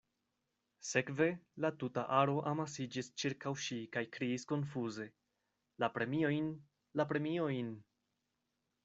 Sekve, la tuta aro amasiĝis ĉirkaŭ ŝi kaj kriis konfuze “La premiojn, la premiojn.”